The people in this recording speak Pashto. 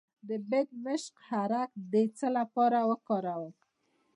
د بیدمشک عرق د څه لپاره وکاروم؟